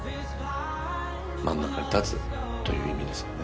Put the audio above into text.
真ん中に立つという意味ですよね